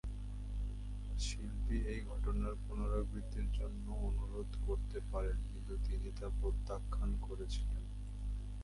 শিপলি এই ঘটনার পুনরাবৃত্তির জন্য অনুরোধ করতে পারতেন, কিন্তু তিনি তা প্রত্যাখ্যান করেছিলেন।